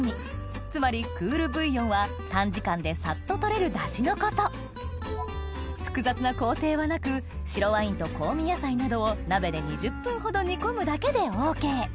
つまりクールブイヨンは短時間でサッと取れるダシのこと複雑な工程はなく白ワインと香味野菜などを鍋で２０分ほど煮込むだけでＯＫ